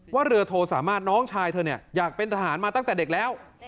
เรือโทสามารถน้องชายเธอเนี่ยอยากเป็นทหารมาตั้งแต่เด็กแล้ว